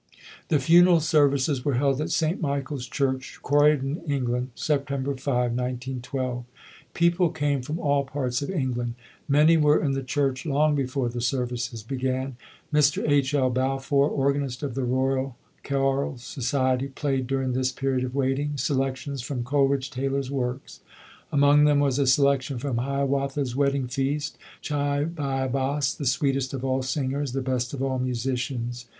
The funeral services were held at St. Michael's Church, Croydon, England, September 5, 1912. People came from all parts of England. Many were in the church long before the services began. Mr. H. L. Balfour, organist of the Royal Choral Society, played during this period of waiting, se lections from Coleridge Taylor's works. Among them was a selection from "Hiawatha's Wedding Feast" "Chibiabos, the sweetest of all singers, SAMUEL COLERIDGE TAYLOR [ 149 the best of all musicians".